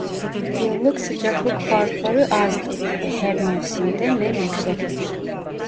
Yıllık sıcaklık farkları azdır ve her mevsimde nem yüksektir.